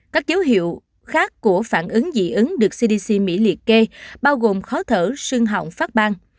các dấu hiệu khác của phản ứng dị ứng được cdc mỹ liệt kê bao gồm khó thở xương họng phát bang